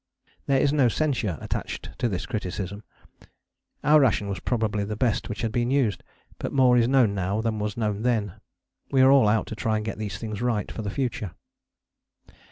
There is no censure attached to this criticism. Our ration was probably the best which has been used: but more is known now than was known then. We are all out to try and get these things right for the future.